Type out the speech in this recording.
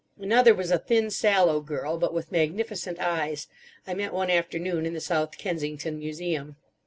Another was a thin, sallow girl, but with magnificent eyes, I met one afternoon in the South Kensington Museum.